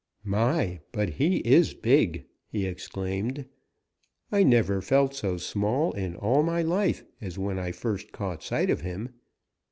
"My, but he is big!" he exclaimed. "I never felt so small in all my life as when I first caught sight of him.